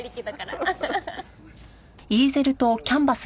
ハハハッ。